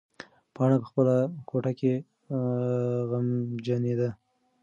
پاڼه په خپله کوټه کې غمجنېده.